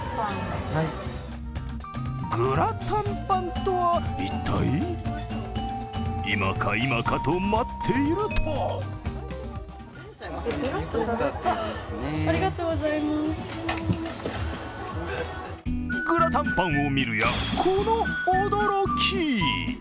グラタンパンとは一体今か今かと待っているとグラタンパンを見るやいなや、この驚き。